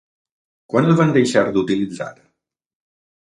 Quan el van deixar d'utilitzar?